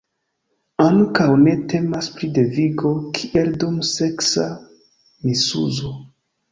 Ankaŭ ne temas pri devigo, kiel dum seksa misuzo.